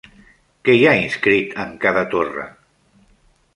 Què hi ha inscrit en cada torre?